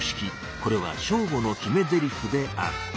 これはショーゴの決めぜりふである。